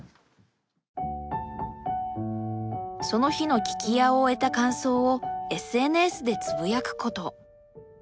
その日の聞き屋を終えた感想をＳＮＳでつぶやくこと。